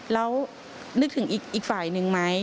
แล้วนึกถึงอีกฝ่ายหนึ่งไหม